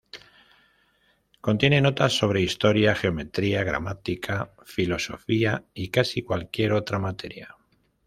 Contiene notas sobre historia, geometría, gramática, filosofía y casi cualquier otra materia.